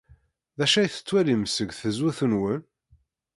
D acu ay tettwalim seg tzewwut-nwen?